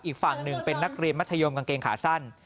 อีกฝั่งหนึ่งเป็นนักเรียนมัธยมกางเกงขาสั้น